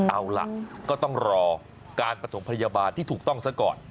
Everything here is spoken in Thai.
เอาล่ะก็ต้องรอการประถมพยาบาลที่ถูกต้องซะก่อน